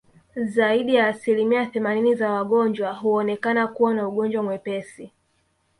Zaidi ya asilimia themanini za wagonjwa huonekana kuwa na ugonjwa mwepesi